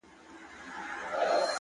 چـي اخترونـه پـه واوښـتــل؛